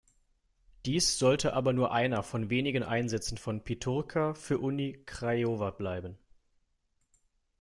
Dies sollte aber nur einer von wenigen Einsätzen von Pițurcă für Uni Craiova bleiben.